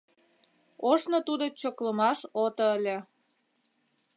Ожно тудо чоклымаш ото ыле.